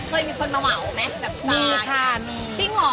เคยมีคนมาเหมามั้ยแบบจานมีค่ะมี